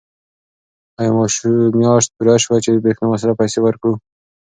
آیا میاشت پوره شوه چې د برېښنا د مصرف پیسې ورکړو؟